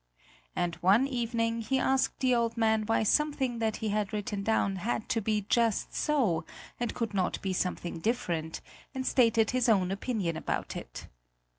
And one evening he asked the old man why something that he had written down had to be just so and could not be something different, and stated his own opinion about it.